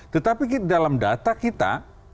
tetapi dalam data kita